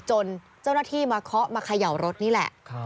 จนเจ้าหน้าที่มาเคาะมาเขย่ารถนี่แหละ